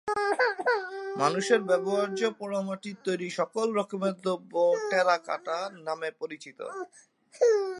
মানুষের ব্যবহার্য পোড়ামাটির তৈরি সকল রকমের দ্রব্য টেরাকোটা নামে পরিচিত।